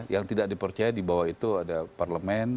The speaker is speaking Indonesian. yang tidak dipercaya di bawah itu ada parlemen